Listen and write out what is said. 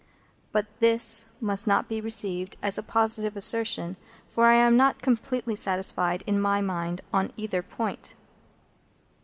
But this must not be received as a positive assertion, for I am not completely satisfied in my mind on either point.